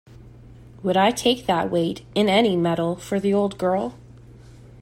Would I take that weight — in any metal — for the old girl?